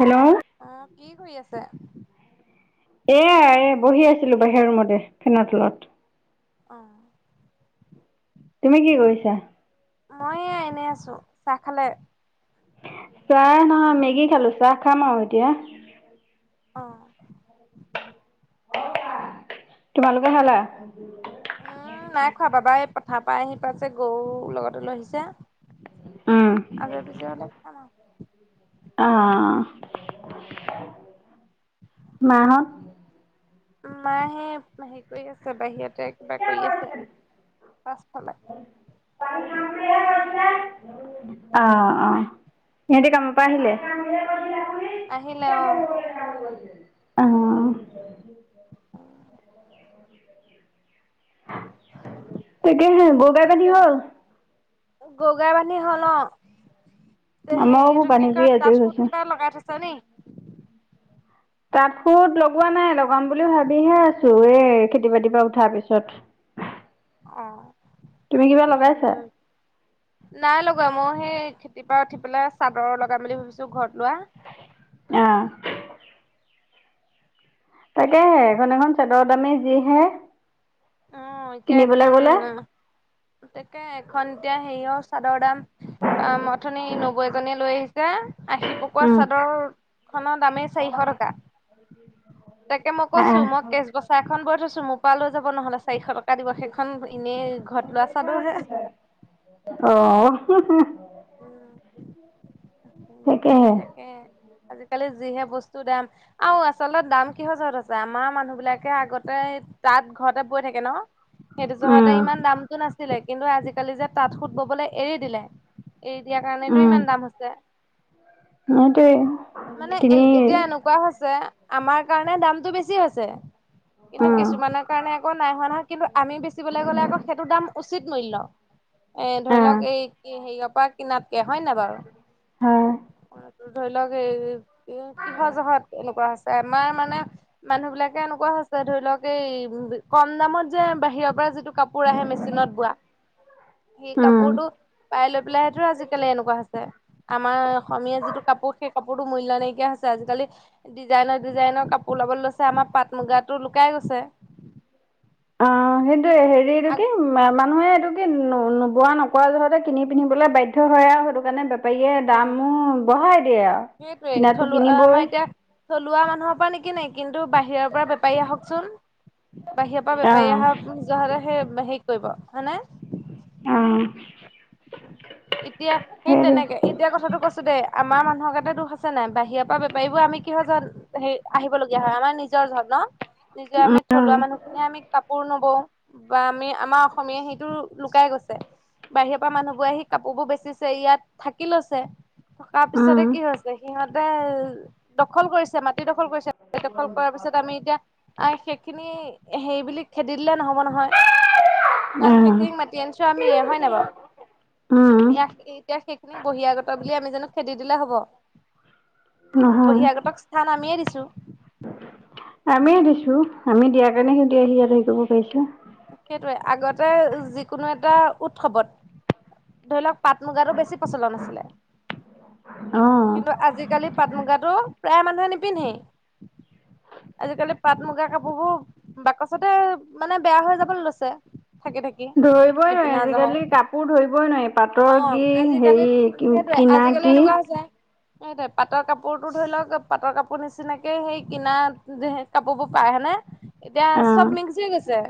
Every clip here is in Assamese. হেল্ল'। আ, কি কৰি আছে? এইয়া এ বহি আছিলো বাহিৰ ৰোমতে, ফেনৰ তলত। অ'। তুমি কি কৰিছা? মই এয়া এনে আছো, চাহ খালে? চাহ নহয় মেগী খালো চাহ খাম আৰু এতিয়া। অ'। [inaudible] তোমালোকে খালা? পাছে গৰু লগতে লৈ অহিছে, উম আগে পিছে হ'লে কথা নাই। অ', অ'। মাহঁত মায়ে হে হেৰি কৰি আছে, বাহিৰতে কিবা কৰি আছে। পাছফালে। [inaudible] অ', অ'। এহেঁতি কামপা আহিলে আহিলে অ', [unintelligible] অ'। তাকেহে গৰু গাই বান্ধি তাকে হ'ল? গৰু গাই বান্ধি হ'ল অ'। হেৰি আমাৰো এইটো বান্ধি কি কৰি কয়, আজৰি তাত সুত হৈছো। কিবা লগাই থৈছে নি? তাত সুত লগোৱা নাই, লগাম বুলি ভাবিহে আছো এই খেতি বাতিৰ পৰা উঠাৰ পিছত। অ', তুমি কিবা কি লগাম লগাইছা? বুলি ভাবি, নাই লগ [unintelligible] ময়ো হেই খেতিৰ পৰা উঠি পেলাই চাদৰ লগাম বুলি ভাবিছো ঘৰত লোৱা। অ' [inaudible] তাকেহে, এখন-এখন চাদৰ দামে যিহে। অ', এতিয়া কিনিবলৈ এখন, গ'লে তাকে এখন এতিয়া হেৰিয় চাদৰ দাম আম, অথনি নবৌ এজনীয়ে লৈ আহি [unintelligible] আশী পকোৱা উম চাদৰখনৰ দামেই চাৰিশ টকা। তাকে মই কৈছো, মই আহ কেশবচা এখন বৈ থৈছোঁ মোৰ পৰা লৈ যাব ন'হলে। চাৰিশ টকা দিব, সেইখন এনেই ঘৰত লোৱা চাদৰ হে। অ' [inaudible] উম। উম, তাকেহে তাকে। আজিকালি যিহে বস্তু দাম, আৰু আচলতে দাম কিহৰ যৰত আছে আমাৰ মানুহ বিলাকে আগতে এ তাত ঘৰতে বৈ থাকে ন। সেইটো উম জহাতে ইমান দামতটো নাছিলে, কিন্তু আজিকালি যে তাঁত সুত ববলৈ এৰি দিলে এৰি দিয়াৰ কাৰণেটো উম ইমান দাম হৈছে। সেইটোৱে মানে কিনি এ-এতিয়া এনেকুৱা হৈছে আমাৰ কাৰণে দামটো বেছি হৈছে কিন্তু উম কিছুমানৰ কাৰণে আকৌ নাই হোৱা নহয়, কিন্তু আমি বেচিবলৈ গ'লে আকৌ সেইটো দাম উচিত মূল্য, এ অ ধৰি লওক এই হেৰিয়ৰ পৰা কিনা কে হয় নাই বাৰু। হয় অটো ধৰি লওক এ কি-কিহৰ জহত এনেকুৱা হৈছে? আমাৰ মানে মানুহ বিলাকে এনেকুৱা হৈছে ধৰি লওঁক এই, কম দামত যে বাহিৰৰ পৰা যিটো কাপোৰ আহে মেচিনত বোৱা, সেই উম কাপোৰটো পাই লৈ পেলাইহেতো আজিকালি এনেকুৱা হৈছে। আমাৰ অসমীয়া যিটো কাপোৰ সেই কাপোৰতো মূল্য নাইকিয়া হৈছে, আজিকালি ডিজাইনৰ ডিজাইনৰ কাপোৰ ওলাবলৈ লৈছে আমাৰ পাট মুগাতো লুকাই গৈছে। অ', সেইটোৱে হেৰি এইটো কি ম-মা নুহে এইটোকি নো-নোবোৱা নকৰা যহতে কিনি পিন্ধিবলৈ বাধ্য হয় আৰু সেইটো কাৰণে বেপ বেপাৰীয়ে অ দামো বঢ়াই দিয়ে আৰু। সেইটোৱে কিনাটো থলুৱা কিনিবই আমাৰ এতিয়া, থলুৱা মানুহৰ পৰা নিকিনে কি কিন্তু বাহিৰৰ পৰা বেপাৰী আহকচোন, বাহিৰৰ পৰা অ বেপাৰী আহা [unintelligible] নহ'লে সেই শে [unintelligible] কৰিব, হয়নে? উম। এতিয়া সেই তেনেকে, এতিয়া কথাটো কৈছো দেই আমাৰ মানুহ আমাৰ গাতে দুখ আছে নাই বাহিৰৰ পৰা বেপাৰীবোৰ আমি কি হয় হেৰি আহিবলগীয়া হয়, আমাৰ নিজৰ জহত ন' নিজে আমি উম থলুৱা মানুহখিনিয়ে আমি কাপোৰ নবওঁ বা আমি আমাৰ অসমীয়াই সেইটো লুকাই গৈছে, বাহিৰৰ পৰা মানুহবোৰ আহি কাপোৰবোৰ বেচিছে ইয়াত থাকি লৈছে, থকাৰ পিছতে উম কি হৈছে তে সিহঁতে দখল কৰিছে, মাটি দখল কৰিছে, মাটি দখল কৰাৰ পিছত আমি এতিয়া আ সেইখিনি সেইবুলি খেদি দিলে নহ'ব নহয়। কাৰণ আহ সেইখিনিক মাতি আনিছো আমিয়েই, হয় নাই বাৰু। উম ইয়াক এতিয়া সেইখিনিক বহিৰাগত বুলি আমি জানো খেদি দিলে হ'ব। নহয়। বহিৰাগতক স্থান আমিয়েই দিছোঁ। আমিয়ে দিছো, আমি দিয়াৰ কাৰণে সিহঁতি আহি ইয়াত আহি হেৰি কৰিব পাৰিছে। সেইটোৱে, আগতে যিকোনো এটা উৎসৱত ধৰি লওক পাট মুগাটো বেছি প্ৰচলন আছিলে অ কিন্তু আজিকালি পাট মুগাটো প্ৰায় মানুহে নিপিন্ধেই। আজিকালি পাট মুগা কাপোৰবোৰ বাকচতে মানে বেয়া হৈ যাবলৈ লৈছে। থাকি থাকি। ধৰিবই নোৱাৰি নিপিন্ধা হল। আজিকালি কাপোৰ ধৰিবই নোৱাৰি পাটৰ অ', কি আজিকালি হেৰি সেইটোৱে কি। কিনা আজিকালি এনেকুৱা হৈছে সেইটোৱে পাটৰ কাপোৰতো ধৰি লওক পাটৰ কাপোৰ নিচিনাকে সেই কিনা কাপোৰ বোৰ পাই হয় নে। এতিয়া অ চব মিক্স হৈ গৈছে।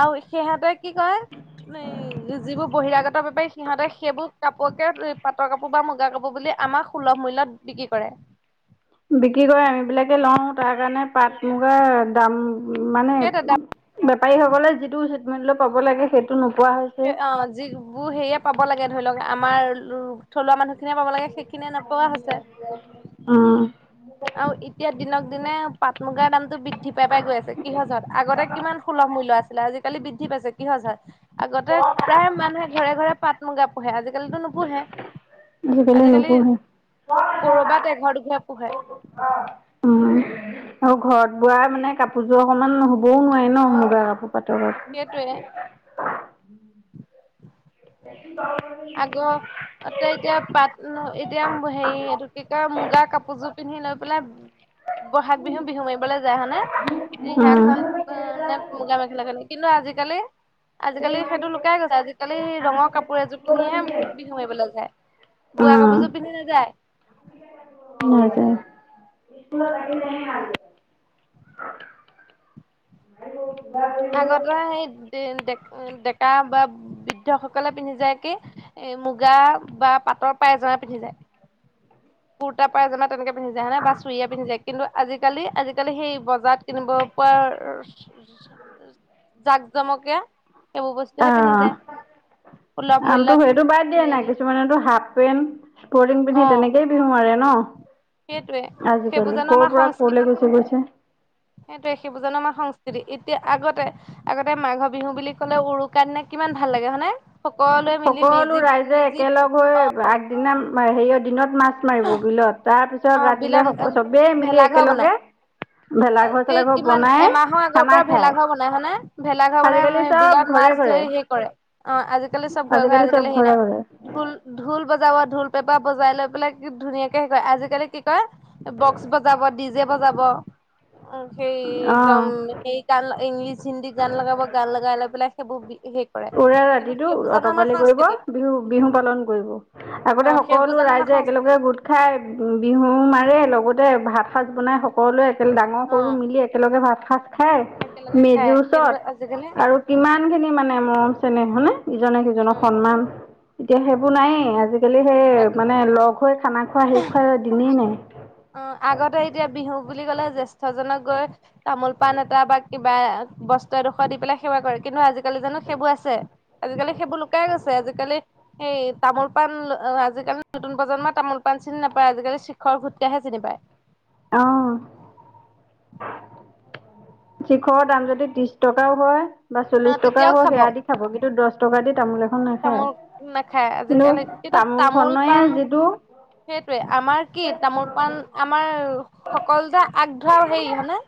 আৰু সিহঁতে কি কয়, যিবোৰ বহিৰাগত বেপাৰী সিহঁতে সেইবোৰ ক ক পাটৰ কাপোৰ বা মুগা কাপোৰ বুলি আমাক সুলভ মূল্যত বিক্ৰী কৰে। বিক্ৰী কৰে আমিবিলাকে লওঁ। তাৰকাৰণে পাট মুগাৰ দাম মানে সেইটো দাম বেপাৰীসকলে যিটো পাব লাগে সেইটো নো অ', যিবোৰ হেয়ে পাব লাগে ধৰি লওঁক আমাৰ থলুৱা মানুহ খিনি পাব লাগে সেইখিনিয়ে নোপোৱা হৈছে। উম আৰু এতিয়া দিনক দিনে পাট মুগাৰ দামতটো বৃদ্ধি পাই পাই গৈ আছে, কিহত আগতে কিমান সুলভ মূল্য আছি লে। আজিকালি বৃদ্ধি পাইছে, কি হৈছে আগতে প্ৰায় মানুহে ঘৰে ঘৰে পাট মুগা পোহে আজি আজিকালি নোপোহে, আজিকালি ক'ৰবাত এঘাৰ দুঘৰত পোহে। উ, আৰু ঘৰত বোৱা মানে কাপোৰযোৰৰ সমান নহ হ'বও নোৱাৰে অ ন' মুগা কাপোৰ, পাটৰ সেইটোৱে কাপোৰ। উম [unintelligible] আগ তে এতিয়া পাট এতিয়া হেৰি এইটো কি কয় মুগাৰ কাপোৰযোৰ পিন্ধি লৈ পেলাই বহাগ বিহুত বিহু মাৰিবলৈ যায় হয়নে, ৰিহা খন নে মুগা মেখেলা খন কিন্তু আজিকালি, আজিকালি সেইটো লুকাই গৈছে, আজিকালি ৰঙৰ কাপোৰ এযোৰ পিন্ধিহে বিহু মাৰিবলৈ যায়, বোৱা কাপোৰযোৰ পিন্ধি নাযায়। নাযায়। উম [unintelligible] আৰু [unintelligible] ল আগতে সেই ডে-ডেকা বা বৃদ্ধসকলে পিন্ধি যায় কি এ মুগা বা পাটৰ পায়জামা পিন্ধি যায়। কুৰ্তা পাইজামা তেনেকে পিন্ধি যায় হয়নে, বা চুৰিয়া পিন্ধি যায়, কিন্তু আজিকালি-আজিকালি সেই ব জাত কিনিব পোৱাৰ, জাক জমকে সেইবোৰ বস্তুহে পিন্ধি অ', যায় সুলভ আনটো মূল্যত সেইটো বাদ দিয়া কিনি না, আনি কিছুমানেতো হাফপেণ্ট স্পৰ্টিং পিন্ধি তেনেকেইে বিহু মাৰে ন। সেইটোৱেই, সেইবোৰ আজিকালি জানো ক'ৰ আমাৰ পৰা ক'লৈ সংস্কৃতি, গুচি গৈছে। সেইটোৱে সেইবোৰ জানো আমাৰ সংস্কৃ তি, এতিয়া আগতে, আগতে মাঘ বিহু বুলি ক'লে উৰুকাৰ দিনা কিমান ভাল লাগে হয়নে? সকলোৱে মিলি সকলো মেজি ৰাইজে মেজি একেলগ হৈ আগদিনা হেৰিয় দিনত মাছ মাৰিব বিলত, তাৰপিছত অ', বিলত, ভেলাঘৰ বনাই ভেলাঘৰ চেলাঘৰ কিমান, বনাই এমাহৰ আগৰ খানা পৰা খায়। ভেলাঘৰ বনাই হয়নে, ভেলাঘৰ বনাই আজিকালি চব বিলত মা ঘৰে মাছ ঘৰে ধৰি হেৰি কৰে, অ', আজিকালি চব ঘৰে ঘৰে চব আজিকালি হেৰি ঘৰে নাই, ঘৰে ঢোল-ঢোল বজাব ঢোল পেপা বজাই লৈ পেলাই কি ধুনীয়াকে হেৰি কৰে, আজিকালি কি কৰে, বক্স বজাব, ডি জে বজাব সেই একদম অ'। সেই গান ইংলিছ হিন্দী গান লগাব, গান লগাই লৈ পেলাই সেইবোৰ হেৰি কৰে ওৰে কিন্তু ৰাতিটো সেইবোৰ জানো আমাৰ অতপালি কৰিব, সংস্কৃতি বিহু-বিহু পালন কৰিব, অ আগতে সেইবোৰ সকলো জানো আমাৰ ৰাইজ যে সংস্কৃতি একেলগে গোট খাই, উ বিহু মাৰে, লগতে ভাত সাঁজ বনাই সকলোৱে একেল-ডাঙৰ অ সৰু মিলি একেলগে ভাত সাঁজ খাই একেলগে খাই মেজিৰ কিন্তু ওচৰত, আজিকালি আৰু কিমান খিনি মানে মৰম হয়নে, ইজনে সিজনক উম সন্মান, এতিয়া সেইবোৰ নাইয়েই, আজি আজিকালি সেই আগ মানে লগ হৈ খানা খোৱা হেৰি খোৱা দিনেই নাই। অ', আগতে এতিয়া বিহু বুলি ক'লে জ্যেষ্ঠজনক গৈ তামোল পাণ এটা বা কিবা বস্ত্ৰ এডোখৰ দি পেলাই সেৱা কৰে, কিন্তু আজিক আজিকালি জানো সেইবোৰ আছে, আজিকালি সেইবোৰ লুকাই গৈছে, আজিকালি এই তামোল পাণ, আজিকালি নতুন প্ৰজন্মই তামোল পা পাণ চিনি নাপায়, আজিকালি শিখৰ গুটখাহে চিনি পায়। অ' শিখৰৰ দাম যদি ত্ৰিশ টকাও হয় বা অ চল্লিশ টকা তেতিয়াও হয় সেয়া দি খাব, কিন্তু দচ টকা দি তামোল এখন নাখায় তামোল নাখায়, কিন্তু আজিকালি কিন্তু তামোল খনেৰে পাণ যিটো সেইটোৱে, আমাৰ কি তামোল পাণ আমাৰ সকলোতে আগ ধৰা আৰু হেৰি হয়নে?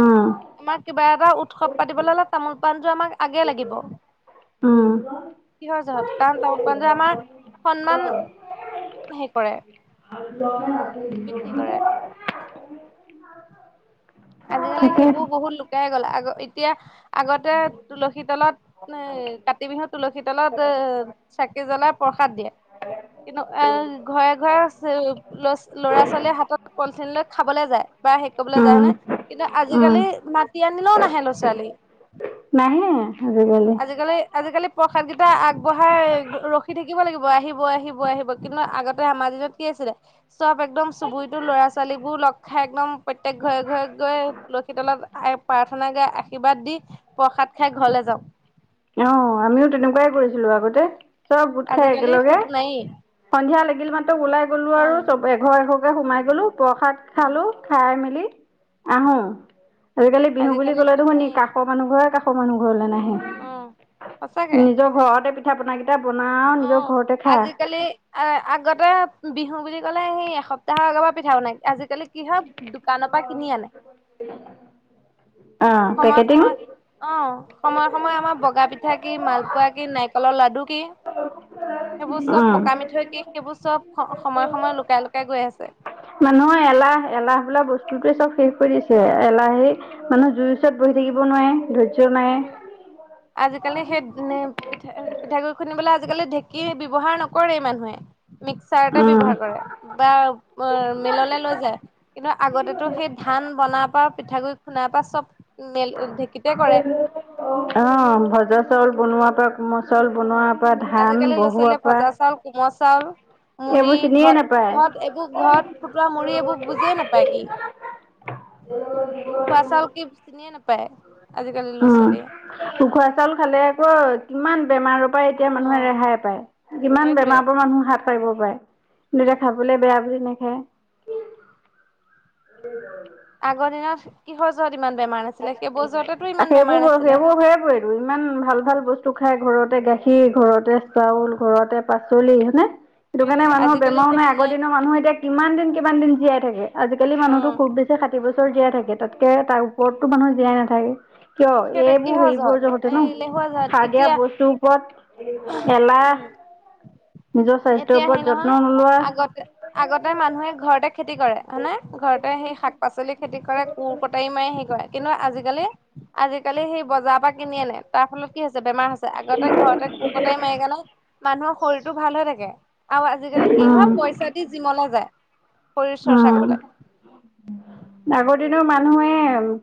উম আমাৰ কিবা এটা উৎসৱ পাতিবলৈ হ'লে তামোল মুলটো আমাক আগে লাগিব। উম কিহৰ যহত, কাৰণ তামোল পাণ যে আমাৰ সন্মান হেৰি কৰে, বৃদ্ধি কৰে। আজিকালি তাকে সেইবোৰ বহুত লুকাই গ'ল, আগ-এতিয়া আগতে তুলসী তলত, এ কাতি বিহু তুলসী তলত চাকি জ্বলাই প্র সাদ দিয়ে, কিন্তু এ ঘৰে ঘৰে ল'ৰ-ল'ৰা ছোৱালীয়ে হাতত পলঠিন খাবলৈ যায় বা হেৰি কৰিবলৈ যায় উম হয়নে, কিন্তু উম আজিকালি মাতি আনিলেও নাহে ল'ৰা ছোৱালী। নাহে। আজিকালি আজিকালি-আজিকালি প্ৰসাদ কিটা আগবঢ়াই ৰখি থাকিব লাগিব। আহিব আহিব আহিব কিন্তু আগতে আমাৰ দিনত কি আছি [inaudible] চব একদম চুবুৰীটো ল'ৰা ছোৱালীবোৰ লগ খাই একদম প্ৰত্যেক ঘৰে ঘৰে গৈ তুলসী তলত প্ৰাৰ্থনা গাই আশীৰ্বাদ দি প্ৰসাদ খাই ঘৰলে যাওঁ। অহ আমিও তেনেকুৱাই কৰিছিলোঁ আগতে চব গোট খাই আজিকালি একেলগে। সেইবোৰ নায়েই সন্ধিয়া লাগিল মাত্ৰ ওলাই গ'লো অ আৰু চব এঘৰ এঘৰকে সোমাই গ'লো প্ৰসাদ উম, খালোঁ, খাই মেলি আহোঁ। আজিকালি বিহু বুলি ক'লে সেইবোৰ দেখুন ই নায়েই কাষৰ মানুহ ঘৰ কাষৰ মানুহ ঘৰলৈ নাহে। অ সঁচাকে নিজৰ ঘৰতে পি অ', আজিকালি আগতে বিহু বুলি ক'লে সেই এসপ্তাহৰ আগৰ পৰা পিঠা বনাই আজিকালি কি হয় দোকানৰ পৰা কিনি আনে। অ সময়ে পেকেটিং সময় অ' সময়ে সময়ে আমাৰ বগা পিঠা কি মালপোৱা, কি নাৰিকলৰ লাডু কি। সেইবোৰ চব উম পকা মিঠৈ দি সেইবোৰ চব সময় সময়ে লুকাই লুকাই গৈ আছে। মানুহৰ এলাহ, এলাহ বোলা বস্তুটোৱে চব শেষ কৰি দিছে। এলাহে উম মানুহ জুই ওচৰত বহি থাকিব নোৱাৰে ধৈৰ্য্য নাই সেইটোৱে আজিকালি সেই নে পিঠা পিঠাগুৰি খুন্দিবলৈ আজিকালি ঢেঁকীয়ে ব্যৱহাৰ নকৰেই মানুহে। মিক্সাৰতে উম ব্যৱহাৰ কৰে বা মিললে লৈ যায়। কিন্তু আগতেটো সেই ধান বনাৰ পৰা পিঠাগুৰি খুন্দাৰ পৰা চব মেল ঢেঁকীতে কৰে। অ', ভজা চাউল বনোৱাৰ পৰা কোমল চাউল বনোৱা। আজিকালিৰ ল'ৰা ছোৱালীয়ে ভজা চাউল, কোমল চাউল মুড়ি এইবোৰ চিনিয়ে ঘৰত নাপায় ঘৰত এইবোৰ ঘৰত ফুটোৱা মুড়ি এইবোৰ বুজিয়ে নাপায় কি। উখোৱা চাউল কি চিনিয়ে নাপায়। আজিকালি ল'ৰা অ', ছোৱালীয়ে উখোৱা চাউল খালে আকৌ কিমান বেমাৰ ৰ পৰা এতিয়া অ মানুহে ৰেহাই পায়। কিমান সেইটোৱে বেমাৰ পৰা মানুহ হাত সাৰিব পাৰে। সিহঁতে উম। খাবলে বেয়া বুলি নাখায়। আগৰ দিনত কি হ'ল বেমাৰ সেইবোৰ নাছিলে। সেইবোৰ ঘৰে ফুৰেটো ইমান ভাল ভাল বস্তু খাই ঘৰত। তে গাখীৰ ঘৰতে চাউল ঘৰতে পাচলি হয় নে? সেইটো কাৰণে সেইটোৱে মানুহৰ আজিকালি বেমাৰো নাই। সেইবোৰ আগৰ দিনৰ মানুহ এতিয়া কিমান দিন কিমান দিন জীয়াই থাকে। আজিকালি অ মানুহটো খুব বেছি ষাঠি বছৰ জীয়াই থাকে। তাতকে তাৰ ওপৰতটো মানুহ জীয়াই নাথাকে। কিয় সেইটো এইবোৰ কিহৰ জহত হেৰিবোৰ যহতে এই ন? এলেহুৱা সাৰ জহত দিয়া এতিয়া বস্তুৰ ওপৰত এলাহ। উম নিজৰ স্বাস্থ্যৰ এতিয়া ওপৰত হেৰি যত্ন নহয় নোলোৱা আগতে আগতে মানুহে ঘৰতে খেতি কৰে হয় নে? ঘৰতে সেই শাক -পাচলি খেতি কৰে। কোৰ কটাৰী মাৰি হেৰি কৰে। কিন্তু আজিকালি আজিকালি সেই বজাৰৰ পৰা কিনি আনে। তাৰ ফলত কি হৈছে বেমাৰ হৈছে। আগতে ঘৰতে কোৰ কটাৰি মাৰে কাৰণে মানুহৰ শৰীৰটো ভাল হৈ থাকে। আৰু আজিকালি কি উম হয় পইচা দি জিমলৈ যায়। শৰীৰ চৰ্চা উম, কৰিবলে আগৰ দিনৰ মান মানুহে,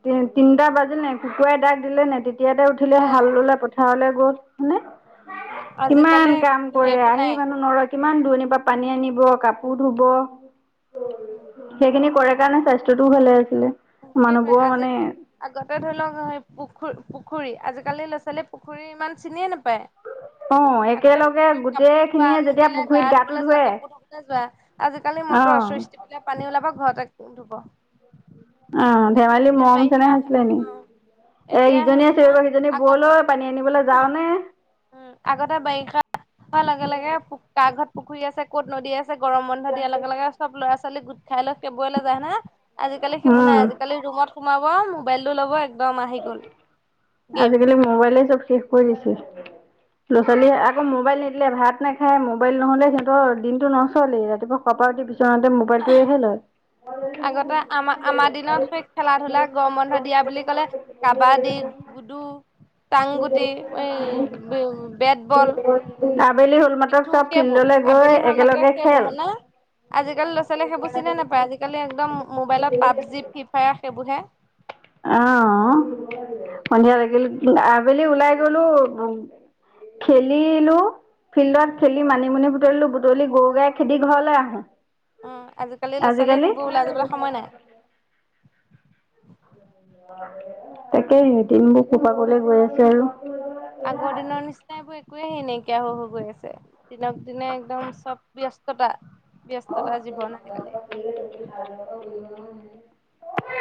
তিন তিনিটা বাজিল নাই কুকুৰাই দাগ দিলে নাই তেতিয়াটে উঠিলে অ হালৈলৈ পথাৰলৈ মানে কিমান আজিকালি কাম কৰে সেইবোৰ আহি নাই মানুহ নৰয়। কিমান দূৰণিৰ পৰা পানী আনিব কাপোৰ ধুব সেইখিনি কৰে। সেইকাৰণে স্বাস্থ্যটোও ভালে আছিলে। সেইটোৱে মানুহবোৰৰ আজি মানে আগতে ধৰি লওক সেই পু পুখুৰী পুখুৰী আজিকালিৰ ল'ৰা ছোৱালীয়ে পুখুৰী ইমান চিনিয়ে নেপায়। অ আগতে একেলগে পুখুৰীত কাপোৰ ধোৱা গোটেইখিনিয়ে যেতিয়া নদীলৈ গা পুখুৰীত গাটো ধুবলৈ যোৱা ধুৱে কাপোৰ ধুবলৈ যোৱা। আজিকালি অ মটৰ চুইচ টিপিলে পানী ওলাব। ঘৰতে কাপোৰ ধুব। আহ ধেমালি এতিয়া মৰম যেনে বাৰিষা আছিলে অ নেকি? এ এতিয়া ইজনী হেৰি আছে নহয় এইকৌ সিজনী আগতে বলৈ পানী আনিবলৈ যাও নে! উম, আগতে বাৰিষা হোৱাৰ লগে লগে কা ঘৰত পুখুৰী আছে ক'ত নদী আছে গৰম বন্ধ দিয়াৰ লগে লগে চব ল'ৰা ছোৱালী গোট খাই লৈ খেবৰলে যায় ন? আজিকালি সেইবোৰ উম নাই আজিকালি ৰুমত সোমাব মোবাইলটো ল'ব এক দম আহি গ'ল গেম। আজিকালি মোবাইলে চব শেষ কৰি দিছে। ল'ৰাৱালীয়ে আকৌ মোবাইল নিদিলে ভাত নাখায় মোবাইল নহ'লে সিহতৰ দিনতটো নচলে। ৰাতিপুৱা কপা উঠি সিহঁতে মোবাইলটোৱেহে লয়। আগতে আমাৰ আমাৰ দিনত সেই খেলা ধূলা গম বন্ধ দিয়া বুলি ক'লে কাবাডী গুডু। টাংগুটি এ-এ বেটবল। আবেলি হ'ল মাত্ৰ পিঠু চব সেইবোৰ ফিল্ডলৈ গৈ আবেলি হ'ল লেকে একেলগে সেইবোৰ খেল। হয় নে? আজিকালি ল'ৰাছোৱালীয়ে সেইবোৰ চিনাই নাপায় আজিকালি একদম মোবাইলত পাবজি ফ্ৰী ফায়াৰ সেইবোৰহে। আহ সন্ধিয়া লাগিল আবেলি ওলাই গলো। খেলিলো। উম, ফিল্ডত খেলি মানিমুনি বুটলিলো। বুটলি গৰু গাই খেদি ঘৰলৈ আহো। উম, আজিকালি ল'ৰা ছোৱালী সেইবোৰ ওলাই যাবলৈ সময় নাই। তাকেহে সেইদিনবোৰ ক'ৰ পা কলৈ গৈ আছে আৰু। আগৰ দিনৰ নিচিনবোৰ একোৱয় হেই নাইকিয়া হৈ হৈ গৈ আছে। দিনক দিনে একদম চব ব্যস্ততা। অ', ব্যস্ততা জীৱন আজিকালি মা?